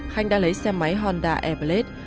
khanh đã lấy xe máy honda e blade